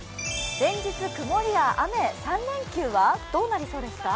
連日くもりや雨、３連休はどうなりそうですか？